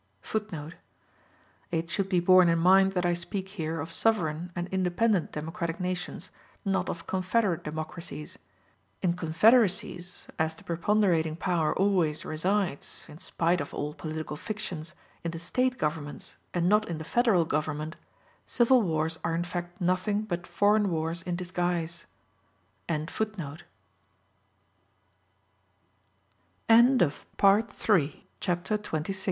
*c [Footnote c: It should be borne in mind that I speak here of sovereign and independent democratic nations, not of confederate democracies; in confederacies, as the preponderating power always resides, in spite of all political fictions, in the state governments, and not in the federal government, civil wars are in fact nothing but foreign wars in disguise.] Book Four: Influence Of Democratic Opi